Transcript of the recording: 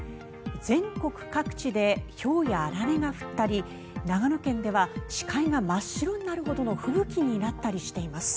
全国各地でひょうやあられが降ったり長野県では視界が真っ白になるほどの吹雪になったりしています。